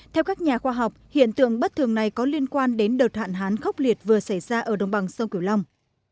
theo các nhà khoa học hiện tượng bất thường này có liên quan đến đợt hạn hán khốc liệt vừa xảy ra ở đồng bằng sông cửu long